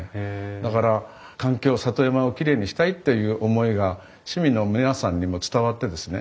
だから環境里山をきれいにしたいっていう思いが市民の皆さんにも伝わってですね